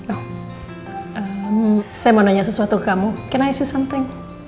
oh saya mau nanya sesuatu ke kamu can i ask you something